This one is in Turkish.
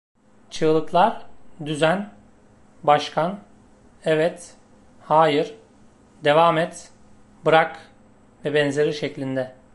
Çığlıklar "Düzen", "Başkan", "Evet", "Hayır", "Devam et", "Bırak", vb. şeklinde.